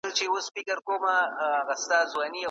ایا مسلکي بڼوال بادام اخلي؟